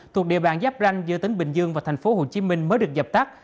thuộc địa bàn giáp ranh giữa tỉnh bình dương và thành phố hồ chí minh mới được dập tắt